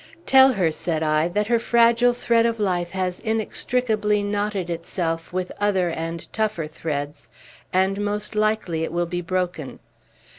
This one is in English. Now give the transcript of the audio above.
"Tell her," said I, "that her fragile thread of life has inextricably knotted itself with other and tougher threads, and most likely it will be broken.